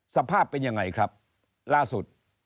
สภาพเป็นยังไงครับล่าสุด